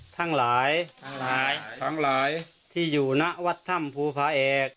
ทั้งหลายที่อยู่หน้าวัดธรรมภูภาเอก